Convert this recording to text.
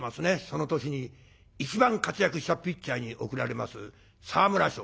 その年に一番活躍したピッチャーに贈られます沢村賞。